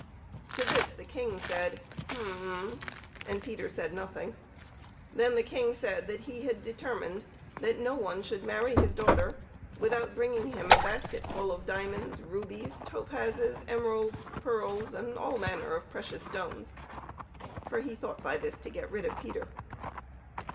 To this the King said " Hum m m," and Peter said nothing. Then the King said that he had determined that no one should marry his daughter without bringing him a basket ful of diamonds, rubies, topazes, emeralds, pearls, and all manner of precious stones ; for he thought by this to get rid of Peter.